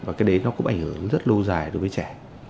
và cái đấy nó cũng ảnh hưởng rất lâu dài đối với trẻ